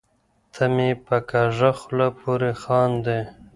ته مې په کږه خوله پورې خاندې .